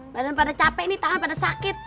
badan pada capek ini tangan pada sakit